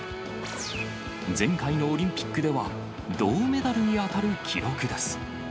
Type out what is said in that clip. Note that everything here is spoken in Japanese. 前回のオリンピックでは銅メダルに当たる記録です。